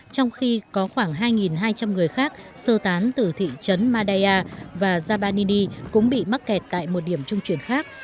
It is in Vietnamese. trong khi có khoảng hai hai trăm linh người khác sơ tán từ thị trấn madaya và jabannini cũng bị mắc kẹt tại một điểm trung chuyển khác